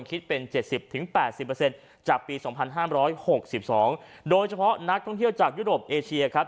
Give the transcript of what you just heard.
คิดเป็น๗๐๘๐จากปี๒๕๖๒โดยเฉพาะนักท่องเที่ยวจากยุโรปเอเชียครับ